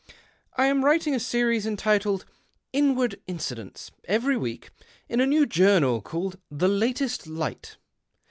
I am writing a series entitled ' Inward Incidents ' every week, in a new journal called The Latest Light.